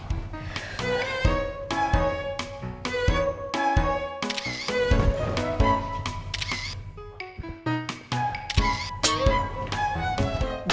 ya udah duduk cepetan deh